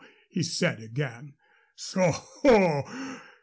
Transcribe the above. he said again. "Soho!